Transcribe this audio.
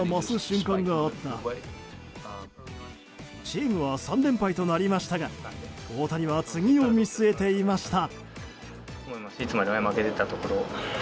チームは３連敗となりましたが大谷は次を見据えていました。